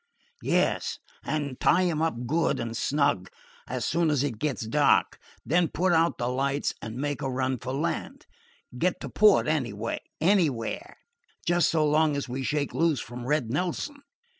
"Yes, and tie him up good and snug, as soon as it gets dark; then put out the lights and make a run for land; get to port anyway, anywhere, just so long as we shake loose from Red Nelson."